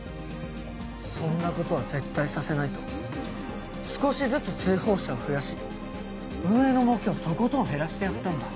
そんな事は絶対させないと少しずつ追放者を増やし運営の儲けをとことん減らしてやったんだ。